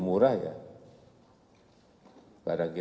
terus mana lagi